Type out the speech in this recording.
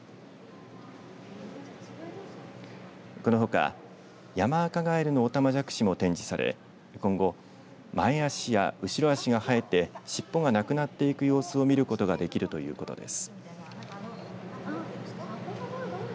このほかヤマアカガエルのおたまじゃくしも展示され今後、前足や後ろ足が生えて尻尾がなくなっていく様子を見ることができるということです。